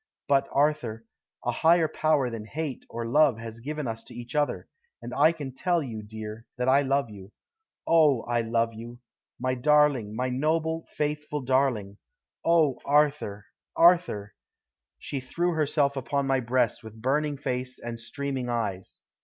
But, Arthur, a higher power than hate or love has given us to each other, and I can tell you, dear, that I love you. Oh, I love you! My darling; my noble, faithful darling! Oh, Arthur, Arthur!' "She threw herself upon my breast with burning face and streaming eyes.